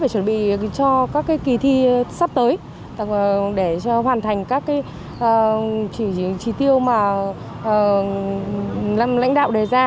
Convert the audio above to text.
và chuẩn bị cho các kỳ thi sắp tới để hoàn thành các trí tiêu mà lãnh đạo đề ra